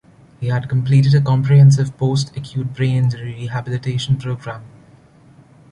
He had completed a comprehensive post-acute brain injury rehabilitation program.